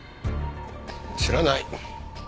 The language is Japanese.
知らない。